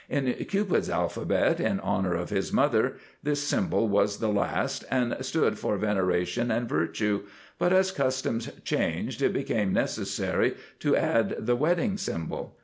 In Cupid's Alphabet, in honor of his mother, this symbol was the last and stood for Veneration and Virtue, but as customs changed it became necessary to add the Wedding symbol.